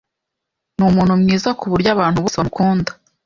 Ni umuntu mwiza kuburyo abantu bose bamukunda.